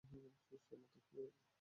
মাতাল হয়ে ঘুমাচ্ছে।